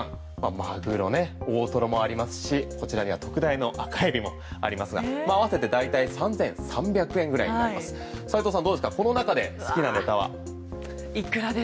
マグロや大トロもありますし、こちらには特大の赤エビもありますが合わせて大体３３００円ぐらいありますが斎藤さん